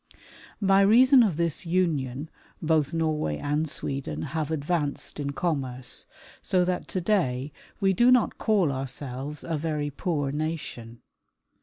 By reason of this union both Norway and Sweden have advanced in commerce, so that to day we do not call ourselves a very poor nation.